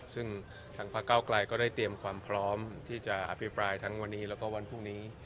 ซึ่งทางพระเก้าไกลก็ได้เตรียมความพร้อมที่จะอภิปรายทั้งวันนี้แล้วก็วันพรุ่งนี้